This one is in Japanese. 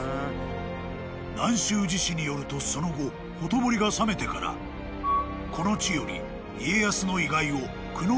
［『南宗寺史』によるとその後ほとぼりが冷めてからこの地より家康の遺骸を久能山東照宮に埋葬］